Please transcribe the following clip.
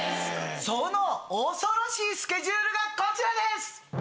その恐ろしいスケジュールがこちらです！